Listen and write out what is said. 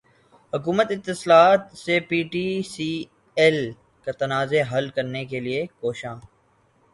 حکومت اتصالات سے P T C L کا تنازع حل کرنے کیلئے کوشاں